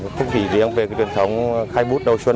không chỉ riêng về cái truyền thống khai bút đầu xuân